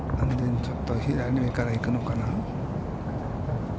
ちょっと左めから行くのかな？